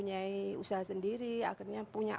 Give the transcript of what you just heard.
terima kasih hal shows teman prendemik